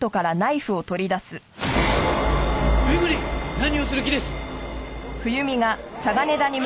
何をする気です！？